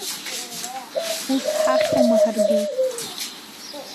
Ус ҳахьуама ҳаргьы?